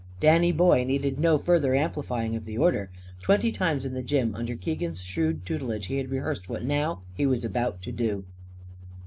Danny boy needed no further amplifying of the order. Twenty times in the gym, under Keegan's shrewd tutelage, he had rehearsed what now he was about to do.